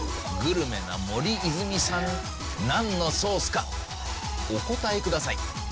グルメな森泉さんなんのソースかお答えください。